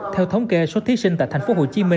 theo thống kê số thí sinh tại tp hcm